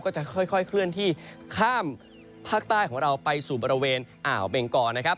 จะค่อยเคลื่อนที่ข้ามภาคใต้ของเราไปสู่บริเวณอ่าวเบงกอนะครับ